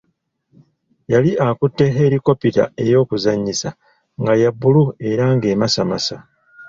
Yali akutte helikopita ey'okuzannyisa nga ya bbulu era ng'emasamasa.